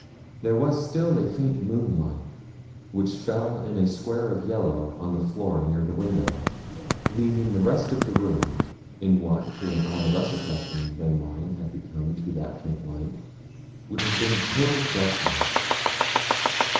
There was still a faint moonlight, which fell in a square of yellow on the floor near the window, leaving the rest of the room in what to an eye less accustomed than mine had become to that faint light would have been total darkness.